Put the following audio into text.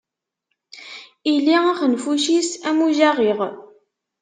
Illi axenfuc-is am ujaɣiɣ.